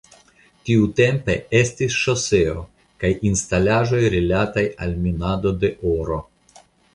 Tiutempe estis ŝoseo kaj instalaĵoj rilataj al minado de oro.